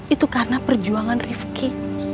itu karena perjuangan rifki